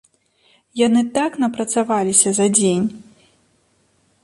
Яны так напрацаваліся за дзень.